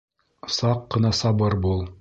Саҡ ҡына сабыр бул.